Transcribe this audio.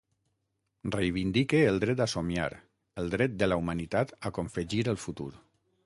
Reivindique el dret a somiar, el dret de la humanitat a confegir el futur.